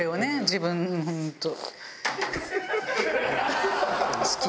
自分本当。